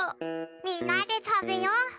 みんなでたべよう。